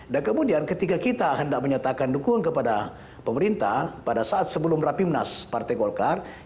dan kemudian ketika kita hendak menyatakan dukungan kepada pemerintah pada saat sebelum rapimnas partai golkar